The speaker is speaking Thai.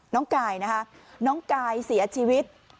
น้องกายนะคะน้องกายเสียชีวิต